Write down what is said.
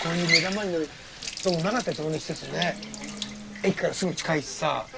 駅からすぐ近いしさ。